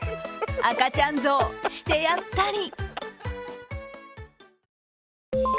赤ちゃん象、してやったり。